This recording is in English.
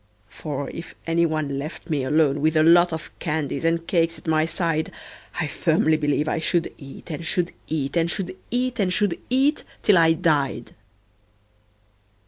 For if any one left me alone with a lot Of candies and cakes at my side, I firmly believe I should eat, and should eat, And should eat, and should eat, till I died.